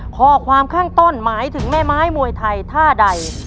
ข้อความข้างต้นหมายถึงแม่ไม้มวยไทยท่าใด